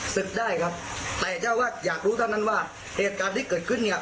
ศึกได้ครับแต่เจ้าวาดอยากรู้เท่านั้นว่าเหตุการณ์ที่เกิดขึ้นเนี่ย